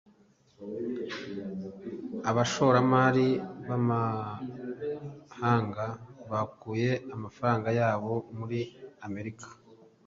abashoramari b'amahanga bakuye amafaranga yabo muri amerika